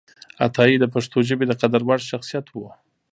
عطایي د پښتو ژبې د قدر وړ شخصیت و